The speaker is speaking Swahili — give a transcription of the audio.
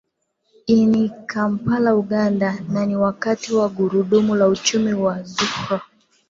ini kampala uganda na ni wakati wa gurudumu la uchumi na zuhra